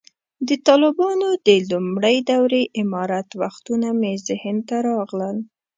د طالبانو د لومړۍ دورې امارت وختونه مې ذهن ته راغلل.